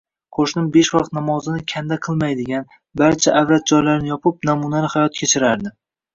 Qo‘shnim besh vaqt namozini kanda qilmaydigan, barcha avrat joylari yopiq, namunali hayot kechirardi